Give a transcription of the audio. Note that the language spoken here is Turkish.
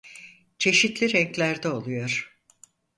Çeşitli renklerde oluyor.